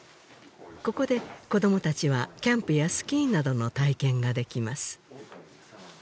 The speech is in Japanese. ここで子どもたちはキャンプやスキーなどの体験ができます